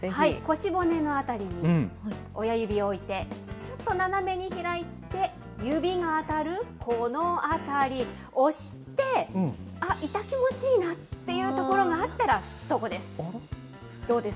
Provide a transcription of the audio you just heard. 腰骨の辺りに親指を置いて、ちょっと斜めに開いて、指が当たるこの辺り、押して、あっ、いた気持ちいいなというところがあったら、そこです。